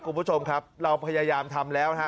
คุณผู้ชมครับเราพยายามทำแล้วฮะ